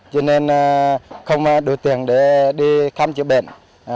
cho nên không đổi tiền để đi khám chữa bệnh